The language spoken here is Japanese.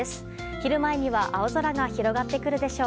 昼前には青空が広がってくるでしょう。